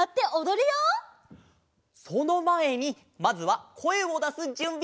そのまえにまずはこえをだすじゅんび！